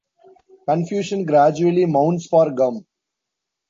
Confusion gradually mounts for Gumm.